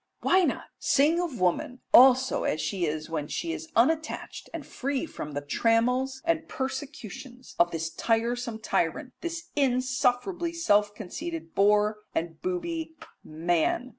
Why not sing of woman also as she is when she is unattached and free from the trammels and persecutions of this tiresome tyrant, this insufferably self conceited bore and booby, man?